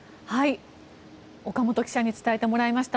岡本記者に伝えてもらいました。